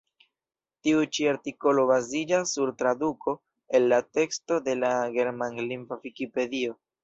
Tiu-ĉi artikolo baziĝas sur traduko el la teksto de la germanlingva vikipedio.